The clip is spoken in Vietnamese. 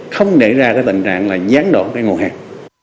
không để ra tình trạng gián đoạn nguồn hàng